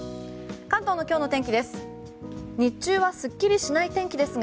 関東の今日の天気です。